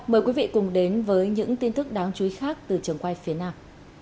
mời quý vị cùng đến với những tin tức đáng chú ý khác từ trường quay phía nam